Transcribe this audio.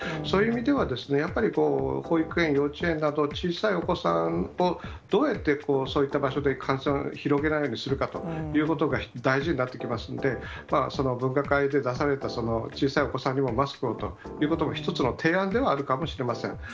そういう意味ではですね、やっぱり保育園、幼稚園など、小さいお子さんをどうやって、そういった場所で感染を広げないようにするかということが大事になってきますので、その分科会で出された、その小さいお子さんにもマスクをということも一つの提案ではあるかもしれません。